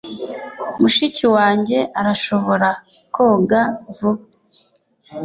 mushiki wanjye arashobora koga vuba